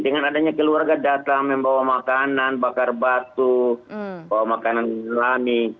dengan adanya keluarga datang membawa makanan bakar batu bawa makanan alami